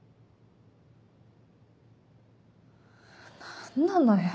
何なのよ？